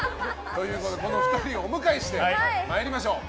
このお二人をお迎えしてまいりましょう。